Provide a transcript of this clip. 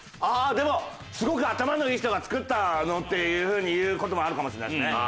ああでも「すごく頭のいい人が作ったの」っていう風に言う事もあるかもしれないですね。